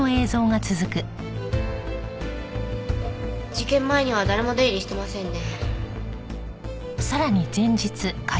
事件前には誰も出入りしてませんね。